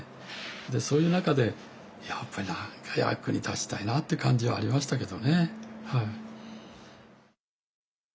でそういう中でやっぱり何か役に立ちたいなって感じはありましたけどね。